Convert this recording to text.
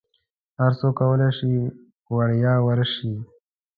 هرڅوک کولی شي وړیا ورشي.